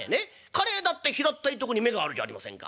かれいだって平ったいとこに目があるじゃありませんか。